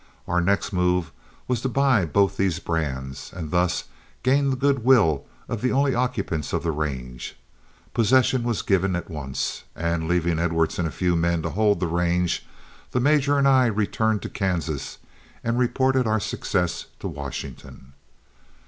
Our next move was to buy both these brands and thus gain the good will of the only occupants of the range. Possession was given at once, and leaving Edwards and a few men to hold the range, the major and I returned to Kansas and reported our success to Washington.